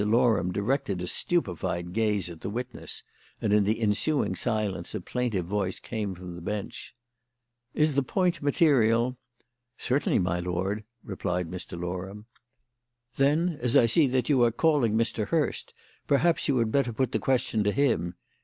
Loram directed a stupefied gaze at the witness, and in the ensuing silence a plaintive voice came from the bench: "Is the point material?" "Certainly, my lord," replied Mr. Loram. "Then, as I see that you are calling Mr. Hurst, perhaps you had better put the question to him.